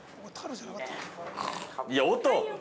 ◆いや、音！